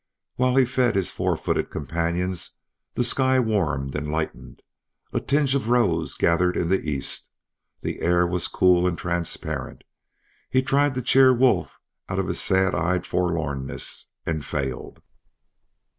While he fed his four footed companions the sky warmed and lightened. A tinge of rose gathered in the east. The air was cool and transparent. He tried to cheer Wolf out of his sad eyed forlornness, and failed.